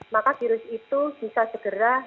maka virus itu bisa segera